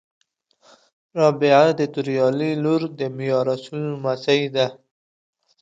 رابعه د توریالي لور د میارسول لمسۍ ده